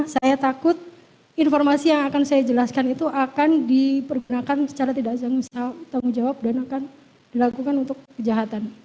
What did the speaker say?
saya takut informasi yang akan saya jelaskan itu akan dipergunakan secara tidak tanggung jawab dan akan dilakukan untuk kejahatan